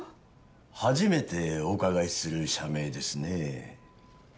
初めてお伺いする社名ですね